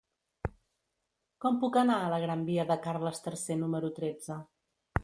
Com puc anar a la gran via de Carles III número tretze?